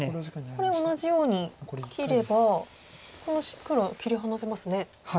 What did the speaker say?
これ同じように切ればこの黒は切り離せますね。